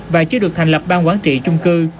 và chưa được thành lập bang quản trị trung cư